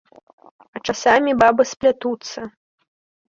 А часамі бабы сплятуцца.